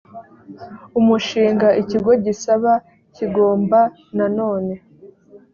umushinga ikigo gisaba kigomba nanone